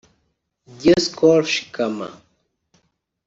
Dioscore Shikama